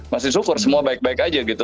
masih syukur semua baik baik aja gitu